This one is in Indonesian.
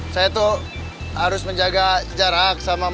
saya tuh harus menjaga jarak sama mama